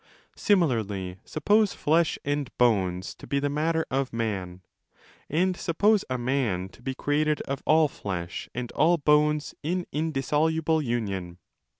Similarly, suppose flesh and bones to be the matter of man, and suppose a man to be created of all flesh and all bones in indissoluble union.